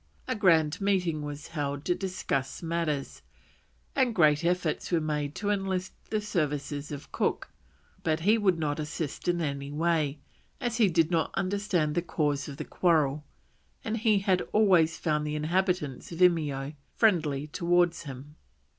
A grand meeting was held to discuss matters, and great efforts were made to enlist the services of Cook; but he would not assist in any way, as he did not understand the cause of the quarrel, and he had always found the inhabitants of Eimeo friendly towards him.